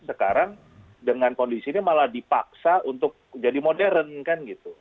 sekarang dengan kondisi ini malah dipaksa untuk jadi modern kan gitu